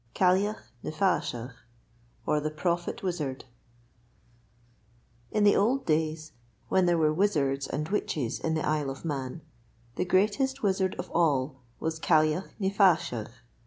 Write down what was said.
CAILLAGH NY FAASHAGH, OR THE PROPHET WIZARD In the old days when there were wizards and witches in the Isle of Mann, the greatest Wizard of all was Caillagh ny Faashagh.